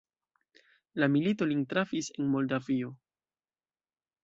La milito lin trafis en Moldavio.